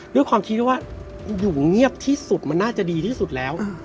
ด้วยความคิดว่าอยู่เงียบที่สุดมันน่าจะดีที่สุดแล้ว